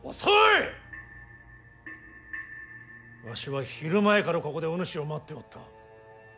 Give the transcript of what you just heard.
わしは昼前からここでおぬしを待っておった。